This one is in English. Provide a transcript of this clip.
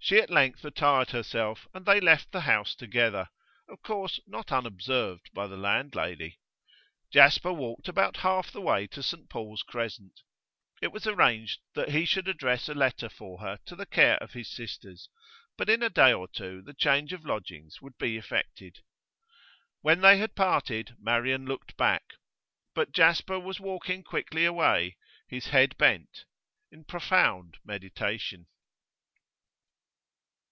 She at length attired herself, and they left the house together, of course not unobserved by the landlady. Jasper walked about half the way to St Paul's Crescent. It was arranged that he should address a letter for her to the care of his sisters; but in a day or two the change of lodgings would be effected. When they had parted, Marian looked back. But Jasper was walking quickly away, his head bent, in profound meditation.